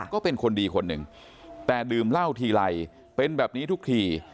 ก็เป็นคนดีคนหนึ่งแต่ดื่มเหล้าทีไรเป็นแบบนี้ทุกที